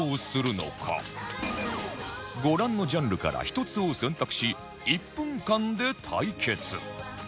ご覧のジャンルから１つを選択し１分間で対決